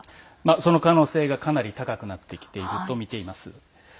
その可能性がかなり高くなってきているとみています。